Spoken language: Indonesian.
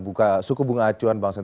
untuk menjadi sentimen